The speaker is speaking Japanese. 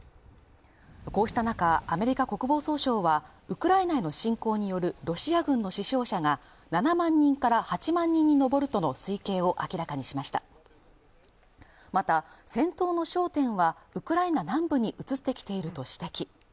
こうした中アメリカ国防総省はウクライナへの侵攻によるロシア軍の死傷者が７万人から８万人に上るとの推計を明らかにしましたまた戦闘の焦点はウクライナ南部に移ってきていると指摘